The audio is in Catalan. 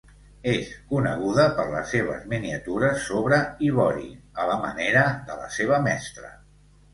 És coneguda per les seves miniatures sobre ivori a la manera de la seva mestra.